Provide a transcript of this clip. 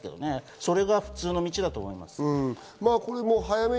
それが普通の道だと思います。